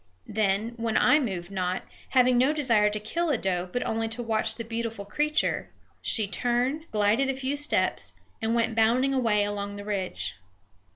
Then, when I moved not, having no desire to kill a doe but only to watch the beautiful creature, she turned, glided a few steps, and went bounding away along the ridge.